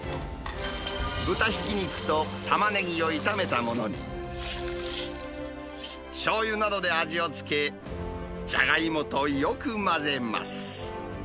豚ひき肉とたまねぎを炒めたものに、しょうゆなどで味を付け、じゃがいもとよく混ぜます。